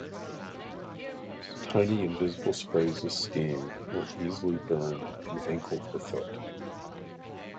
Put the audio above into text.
Tiny invisible sprays of steam will easily burn an ankle or foot.